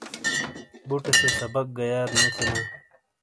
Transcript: بُٹے سے سبق گہ یاد نے تھینا۔